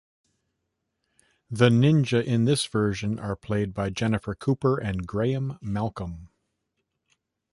The Ninja in this version are played by Jennifer Cooper and Graeme Malcolm.